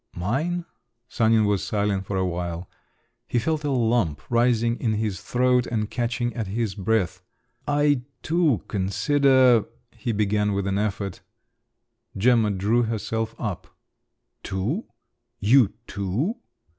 "Mine?" Sanin was silent for a while. He felt a lump rising in his throat and catching at his breath. "I too consider," he began with an effort … Gemma drew herself up. "Too? You too?"